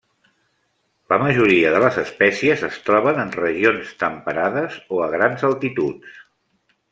La majoria de les espècies es troben en regions temperades o a grans altituds.